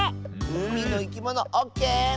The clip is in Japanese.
「うみのいきもの」オッケー！